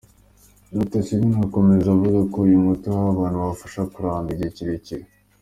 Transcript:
Dr Chernyavsky akomeza avuga ko uyu muti uhawe abantu wabafasha kuramba igihe kirekire.